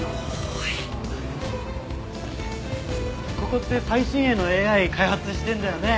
ここって最新鋭のＡＩ開発してるんだよね？